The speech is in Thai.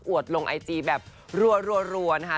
อวดลงไอจีแบบรวรวรวรวรวร